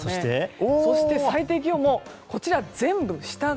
そして、最低気温も全部、下側。